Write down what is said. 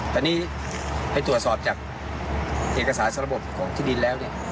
แต่นี่ไปตรวจสอบจากเหตุกราศาสนระบบของที่ดินแล้ว